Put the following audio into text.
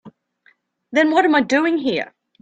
Then what am I doing here?